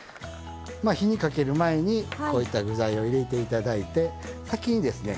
まあ火にかける前にこういった具材を入れて頂いて先にですね